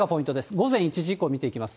午前１時以降見ていきます。